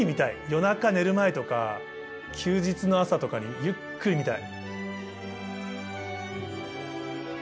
夜中寝る前とか休日の朝とかにゆっくり見たい。